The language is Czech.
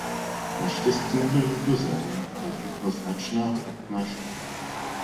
Naštěstí nebyl nikdo zraněn, ale vznikla značná hmotná škoda.